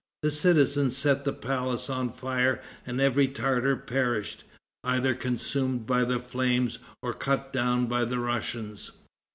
The citizens set the palace on fire, and every Tartar perished, either consumed by the flames or cut down by the Russians.